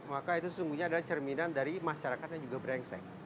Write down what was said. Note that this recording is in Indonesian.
maka itu sesungguhnya adalah cerminan dari masyarakat yang juga berengseng